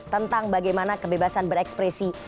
tentang bagaimana kebebasan berekspresi